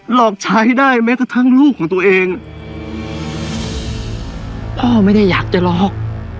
หลอกใช้ได้แม้กระทั่งลูกของตัวเองพ่อไม่ได้อยากจะหลอก